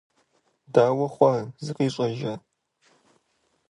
Дауэ хъуа, зыкъищӀэжа?